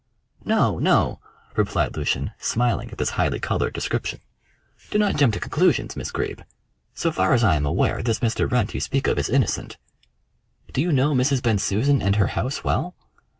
"No! No!" replied Lucian, smiling at this highly coloured description. "Do not jump to conclusions, Miss Greeb. So far as I am aware, this Mr. Wrent you speak of is innocent. Do you know Mrs. Bensusan and her house well?"